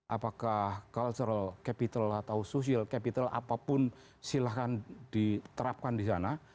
apakah cultural capital atau social capital apapun silahkan diterapkan di sana